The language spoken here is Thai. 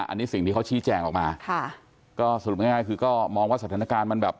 อันนี้สิ่งที่เขาชี้แจงออกมาค่ะก็สรุปง่ายง่ายคือก็มองว่าสถานการณ์มันแบบ